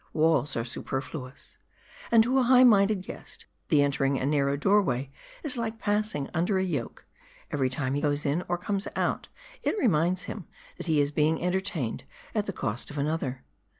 Walls are superfluous. And to a high minded guest, the entering a narrow doorway is like passing under a yoke ; every time he goes in, or comes out, it reminds him, that he is being entertained at the cost of another.